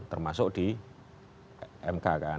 termasuk di mk kan